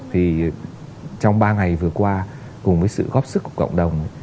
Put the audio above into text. thì trong ba ngày vừa qua cùng với sự góp sức của cộng đồng